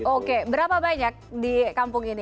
oke berapa banyak di kampung ini